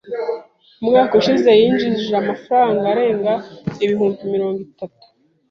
Umwaka ushize yinjije amafaranga arenga ibihumbi mirongo itatu.